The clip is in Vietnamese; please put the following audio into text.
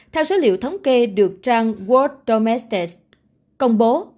theo số liệu thống kê được trang world domestic công bố